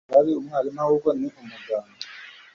Ntabwo ari umwarimu ahubwo ni umuganga